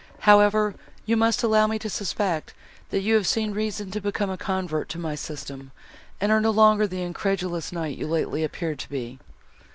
However, you must allow me to suspect, that you have seen reason to become a convert to my system, and are no longer the incredulous knight you lately appeared to be."